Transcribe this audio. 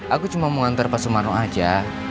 aku cuma mau ngantar pak sumarno aja